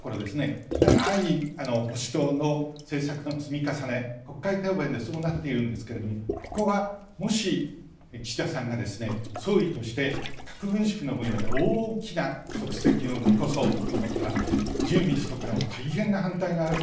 長い保守党の政策の積み重ね、国会答弁でそうなっているんですがこれが、もし岸田さんが総理として核軍縮の分野で大きな足跡を残そうと思ったら自由民主党からも大変な反対がある。